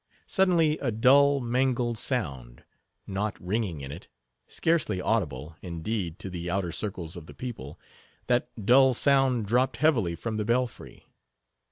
Suddenly a dull, mangled sound—naught ringing in it; scarcely audible, indeed, to the outer circles of the people—that dull sound dropped heavily from the belfry.